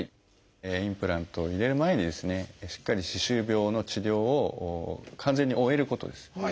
インプラントを入れる前にですねしっかり歯周病の治療を完全に終えることです。